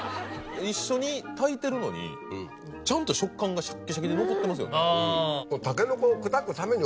一緒に炊いてるのにちゃんと食感がシャキシャキで残ってますよね。